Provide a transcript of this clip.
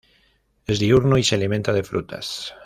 Es diurno y se alimenta de frutas.